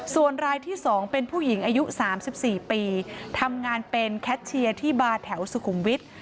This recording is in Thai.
ส่วนรายที่๒เป็นผู้หญิงอายุ๓๔ปีทำงานเป็นแคทเชียร์ที่บาร์แถวสุขุมวิทย์